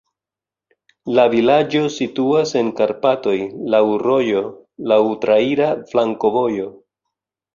La vilaĝo situas en Karpatoj, laŭ rojo, laŭ traira flankovojo.